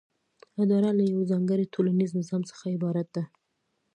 اداره له یوه ځانګړي ټولنیز نظام څخه عبارت ده.